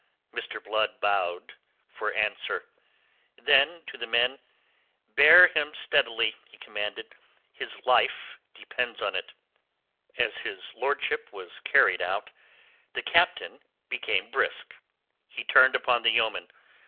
Mr. Blood bowed for answer; then to the men: "Bear him steadily," he commanded. "His life depends on it." As his lordship was carried out, the Captain became brisk. He turned upon the yeoman.